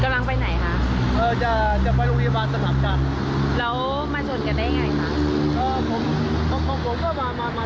ไรอยากจะครบเถอะแบบนี้ไหมถูกจะทำไง